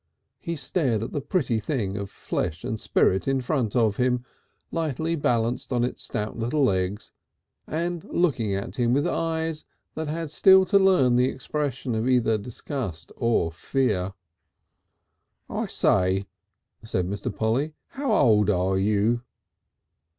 He stared at the pretty thing of flesh and spirit in front of him, lightly balanced on its stout little legs and looking at him with eyes that had still to learn the expression of either disgust or fear. "I say," said Mr. Polly, "how old are you?"